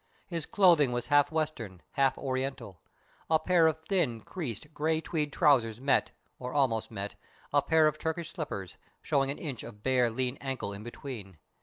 His clothing was half Western, half Oriental. A pair of thin, creased, grey tweed trousers met, or almost met, a pair of Turkish slippers, showing an inch of bare, lean ankle in between.